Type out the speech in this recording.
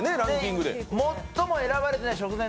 最も選ばれてない食材